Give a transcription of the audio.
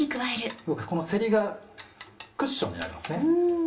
このせりがクッションになりますね。